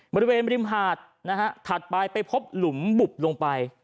บริเวณริมหาดนะฮะถัดไปไปพบหลุมบุบลงไป